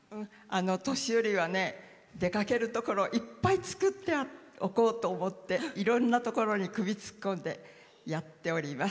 年よりは、出かけるところいっぱい作っておこうと思っていろんなところに首を突っ込んでやっております。